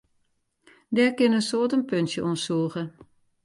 Dêr kinne in soad in puntsje oan sûge.